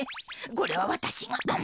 これはわたしが。